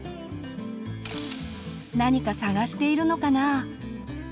何か探しているのかな？